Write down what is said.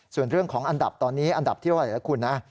ส่วนเรื่องของอันดับตอนนี้อันดับที่เท่าไหร่นะคุณนะ